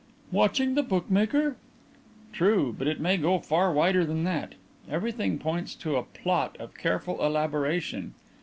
"Watching the bookmaker." "True, but it may go far wider than that. Everything points to a plot of careful elaboration.